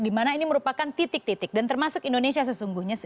di mana ini merupakan titik titik dan termasuk indonesia sesungguhnya